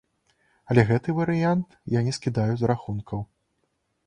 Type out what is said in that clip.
Але гэты варыянт я не скідаю з рахункаў.